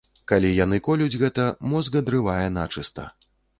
Калі яны колюць гэта, мозг адрывае начыста.